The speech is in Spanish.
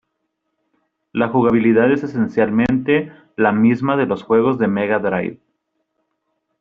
La jugabilidad es esencialmente la misma de los juegos de Mega Drive.